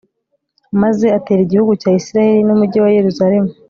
maze atera igihugu cya israheli n'umugi wa yeruzalemu